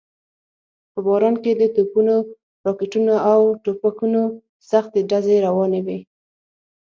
په باران کې د توپونو، راکټونو او ټوپکونو سختې ډزې روانې وې.